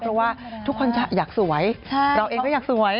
เพราะว่าทุกคนจะอยากสวยเราเองก็อยากสวย